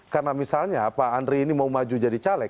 karena misalnya pak andri ini mau maju jadi caleg